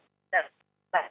bisa mendeteksi lagi penularan